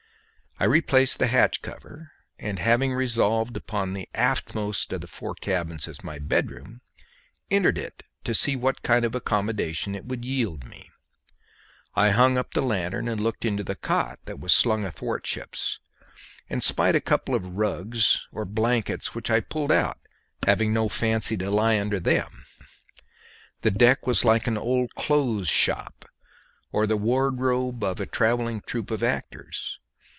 I replaced the hatch cover, and having resolved upon the aftmost of the four cabins as my bedroom, entered it to see what kind of accommodation it would yield me. I hung up the lanthorn and looked into the cot, that was slung athwartships, and spied a couple of rugs, or blankets, which I pulled out, having no fancy to lie under them. The deck was like an old clothes' shop, or the wardrobe of a travelling troop of actors.